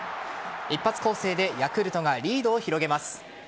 一発攻勢でヤクルトがリードを広げます。